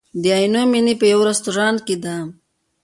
د عینومېنې په یوه رستورانت کې ده.